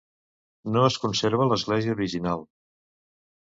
No es conserva l'església original.